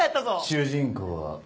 主人公は。